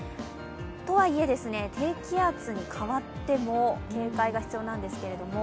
とはいえ、低気圧に変わっても警戒が必要なんですけど。